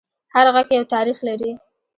هر غږ یو تاریخ لري